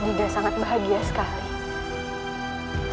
dinda sangat bahagia sekali